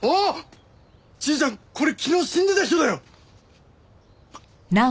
じいちゃんこれ昨日死んでた人だよ！